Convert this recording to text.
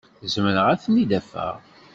Zemreɣ ad ten-id-afeɣ.